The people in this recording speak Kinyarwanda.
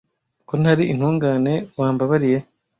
ko ntari intungane wambabariye